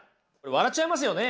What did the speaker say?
笑っちゃいますよね？